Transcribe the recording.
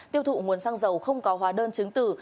tiêu thụ nguồn xăng dầu không có hóa đơn chứng tử